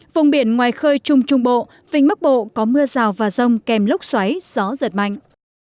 vùng biển ngoài khơi trung trung bộ vinh bắc bộ có mưa rào và rông kèm lốc xoáy gió giật mạnh